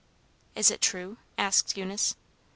"Is it true?" asked Eunice.